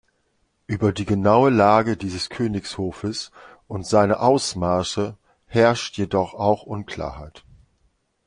Über die genaue Lage dieses Königshofes und seine Ausmaße herrscht jedoch auch Unklarheit.